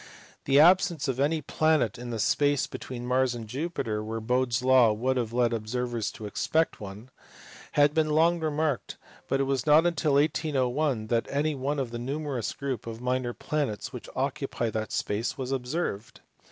The absence of any planet in the space between Mars and Jupiter, where Bode s law would have led observers to expect one, had been long remarked, but it was not till 1801 that any one of the numerous group of minor planets which occupy that space was observed.